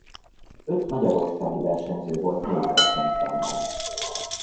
Öt magyarországi versenyző volt négy versenyszámban.